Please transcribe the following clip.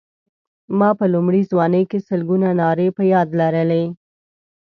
ما په لومړۍ ځوانۍ کې سلګونه نارې په یاد لرلې.